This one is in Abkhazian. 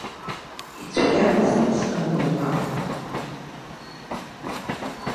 Ицәгьамызт снагәагәар.